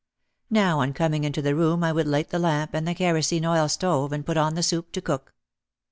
Now on coming into the room I would light the lamp and the kerosene oil stove and put on the soup to cook.